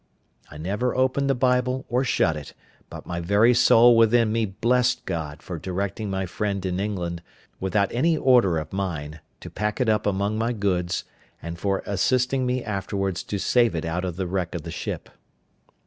I never opened the Bible, or shut it, but my very soul within me blessed God for directing my friend in England, without any order of mine, to pack it up among my goods, and for assisting me afterwards to save it out of the wreck of the ship.